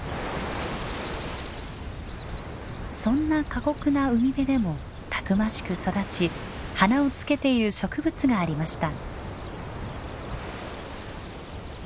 そんな過酷な海辺でもたくましく育ち花をつけている植物がありました。